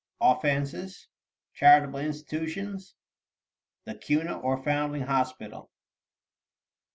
Offenses. Charitable Institutions. The Cuna, or Foundling Hospital.